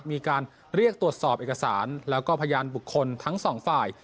มีการเรียกตรวจสอบเอกสารแล้วก็พยานบุคคลทั้งสองฝ่าย